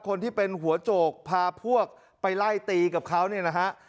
คนที่เป็นหัวโจกพาพวกไปไล่ตีกับเขาเนี่ยนะฮะ